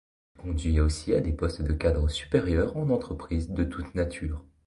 Il conduit aussi à des postes de cadres supérieurs en entreprises de toute nature.